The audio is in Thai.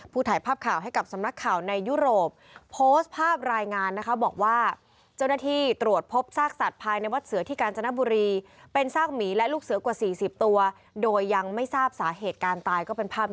ผู้ถ่ายภาพข่าวให้กับสำนักข่าวในยุโรป